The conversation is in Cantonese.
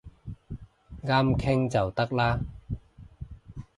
啱傾就得啦